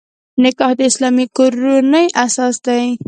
نکاح د اسلامي کورنۍ اساس دی.